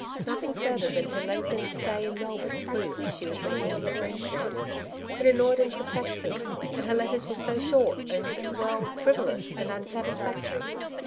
Nothing further than her lengthened stay in Mel bourne proved she was making new friends there. It annoyed and perplexed him ; and her letters were so short and — well, frivolous and unsatisfactory.